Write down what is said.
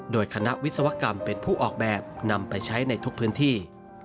โดยคณะวิศวกรรมเป็นผู้ออกแบบนำไปใช้ในทุกพื้นที่